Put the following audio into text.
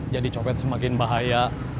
jadi copet semakin bahaya